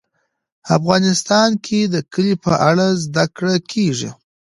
افغانستان کې د کلي په اړه زده کړه کېږي.